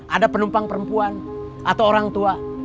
ada penumpang perempuan atau orang tua